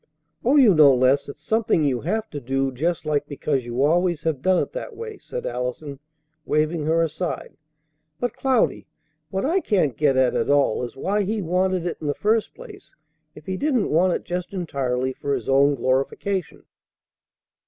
"Oh, you know, Les, it's something you have to do just like because you always have done it that way," said Allison, waving her aside. "But, Cloudy, what I can't get at at all is why He wanted it in the first place if He didn't want it just entirely for His own glorification."